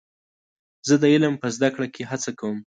زه د علم په زده کړه کې هڅه کوم.